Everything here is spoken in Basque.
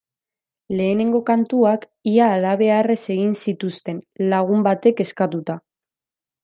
Lehenengo kantuak ia halabeharrez egin zituzten, lagun batek eskatuta.